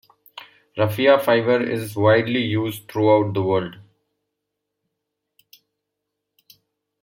Raffia fibre is widely used throughout the world.